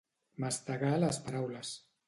Mastegar les paraules.